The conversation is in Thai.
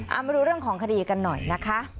เอามาดูเรื่องของคดีกันหน่อยนะคะ